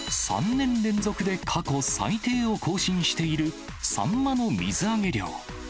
３年連続で過去最低を更新している、サンマの水揚げ量。